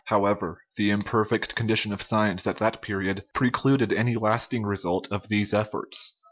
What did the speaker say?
However, the imper fect condition of science at that period precluded any lasting results of these efforts.